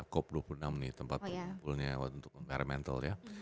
cop dua puluh enam nih tempat pengumpulnya untuk environmental ya